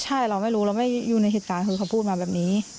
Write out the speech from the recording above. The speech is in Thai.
ใช่เราไม่รู้เราไม่อยู่ในเหตุการณ์คือเขาพูดมาแบบนี้